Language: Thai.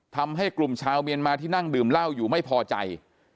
ทำให้กลุ่มชาวเมียนมาที่นั่งดื่มเหล้าอยู่ไม่พอใจ